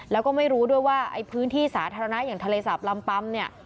แล้วก็ไม่รู้ด้วยว่าไอ้พื้นที่สาธารณะอย่างทะเลสาบลำปั๊มเนี่ย